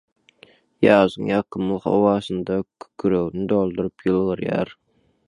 Ýazyň ýakymly howasyndan kükregini dolduryp ýylgyrýar.